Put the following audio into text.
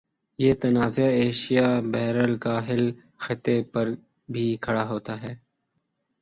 یہ تنازع ایشیا بحرالکاہل خطے پر بھی کھڑا ہوتا ہے